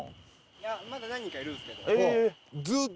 いまだ何人かいるんですけど。